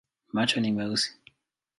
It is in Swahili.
Macho ni meusi.